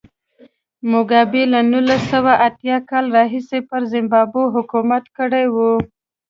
موګابي له نولس سوه اتیا کال راهیسې پر زیمبابوې حکومت کړی و.